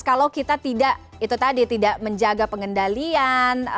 kalau kita tidak itu tadi tidak menjaga pengendalian